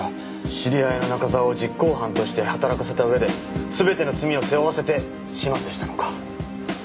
知り合いの中沢を実行犯として働かせたうえで全ての罪を背負わせて始末したのか。